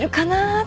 って。